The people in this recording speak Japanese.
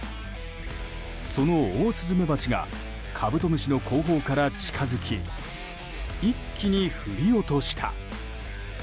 そのオオスズメバチがカブトムシの後方から近づき一気に振り落とした。